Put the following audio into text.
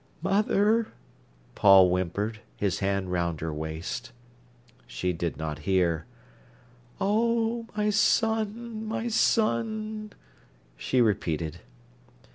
"Mother!" Paul whimpered, his hand round her waist. She did not hear. "Oh, my son—my son!" she repeated.